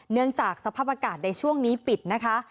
เนื่องจากสภาพอากาศในช่วงนี้ปิดนะคะ